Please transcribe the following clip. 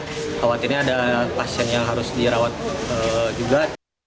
khawatirnya ada pasien yang harus dirawat juga